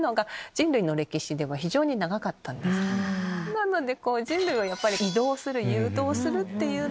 なので。